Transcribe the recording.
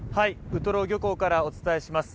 ウトロ漁港からお送りします。